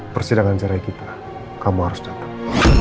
persidangan cerai kita kamu harus datang